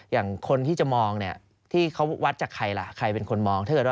อย่างคนที่จะมองเนี่ยที่เขาวัดจากใครล่ะใครเป็นคนมองถ้าเกิดว่า